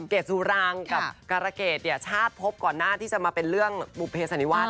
เกดสุรางกับการเกษชาติพบก่อนหน้าที่จะมาเป็นเรื่องบุเภสันนิวาส